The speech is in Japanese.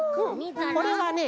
これはね